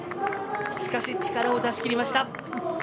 しかし力を出し切りました。